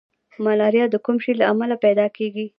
ملاریا د کوم شي له امله پیدا کیږي